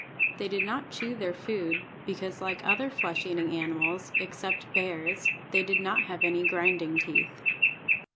They did not chew their food, because like other flesh eating animals, except bears, they did not have any grinding teeth.